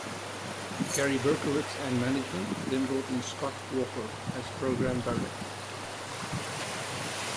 Gary Berkowitz and management then brought in Scott Walker, as program director.